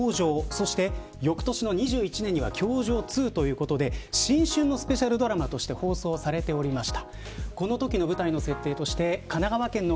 そして、翌年の２１年には教場２ということで新春スペシャルドラマとして放送されておりました。